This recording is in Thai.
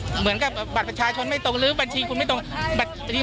เหมือนกับบัตรประชาชนไม่ตรงหรือบัญชีคุณไม่ตรงบัตร